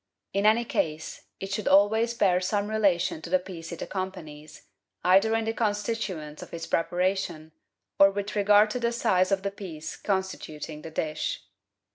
In any case, it should always bear some relation to the piece it accompanies, either in the constituents of its preparation or with regard to the size of the piece constituting the dish.